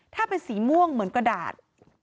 ถ้าเป็นสีม่วงเหมือนกระดาษ